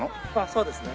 そうですね。